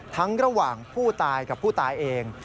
ระหว่างผู้ตายกับผู้ตายเอง